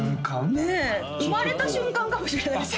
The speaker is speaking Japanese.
ねえ生まれた瞬間かもしれないですよ